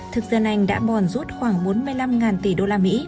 thực dân anh đã bòn rút khoảng bốn mươi năm tỷ usd